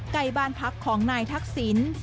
ใกล้บ้านพักของนายทักษิณ